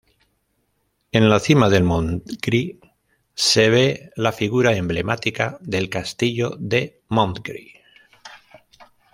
En la cima del Montgrí se ve la figura emblemática del castillo de Montgrí.